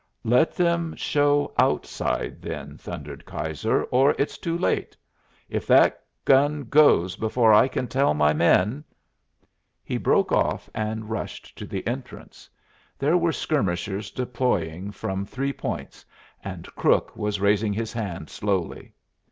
"Let them show outside, then," thundered Keyser, "or it's too late. If that gun goes before I can tell my men " He broke off and rushed to the entrance. There were skirmishers deploying from three points, and Crook was raising his hand slowly.